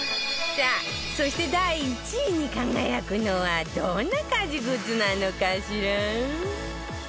さあそして第１位に輝くのはどんな家事グッズなのかしら？